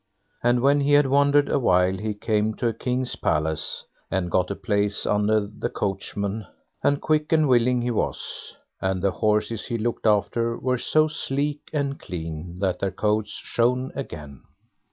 And when he had wandered a while he came to a king's palace, and got a place under the coachman, and quick and willing he was, and the horses he looked after were so sleek and clean that their coats shone again.